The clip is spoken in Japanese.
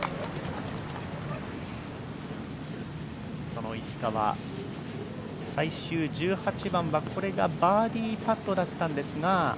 その石川、最終１８番はこれがバーディーパットだったんですが。